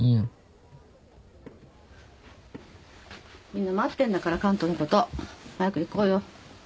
みんな待ってんだからカントのこと早く行こうよ。